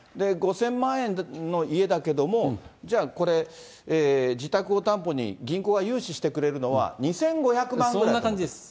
５０００万円の家だけども、じゃあ、これ、自宅を担保に銀行が融資してくれるのは２５００万ぐらいだと。